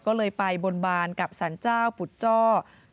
ก็เลยไปบนบานกับสรรเจ้าปุดจ้อ